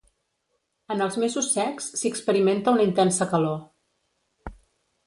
En els mesos secs s'hi experimenta una intensa calor.